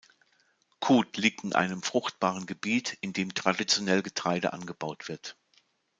Kut liegt in einem fruchtbaren Gebiet, in dem traditionell Getreide angebaut wird.